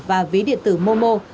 và ví điện tử môn mạng